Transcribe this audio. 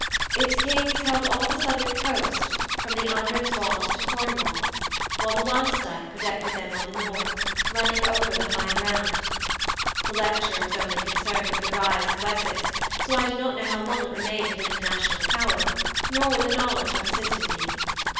Its kings held all the southern coast from the Andredswald to Cornwall, while the Wansdyke protected them on the north, running over the high ground. The lecturer was only concerned with the rise of Wessex, so I do not know how long it remained an international power, nor would the knowledge have assisted me.